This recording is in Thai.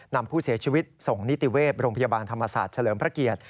นำผู้เสียชีวิตส่งนิติเวศโรงพยาบาลธรรมศาสตร์เฉลิมพระเกียรติ